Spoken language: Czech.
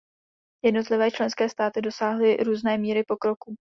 Jednotlivé členské státy dosáhly různé míry pokroku.